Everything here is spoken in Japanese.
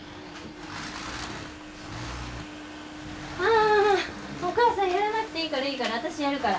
あお母さんやらなくていいからいいから私やるから。